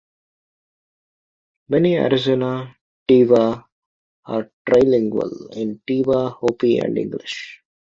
Many Arizona Tewa are trilingual in Tewa, Hopi, and English.